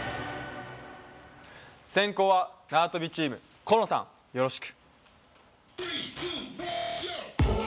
先攻はなわとびチームこのさん、よろしく。